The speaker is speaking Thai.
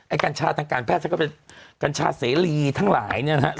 กัญชาทางการแพทย์ฉันก็เป็นกัญชาเสรีทั้งหลายเนี่ยนะฮะ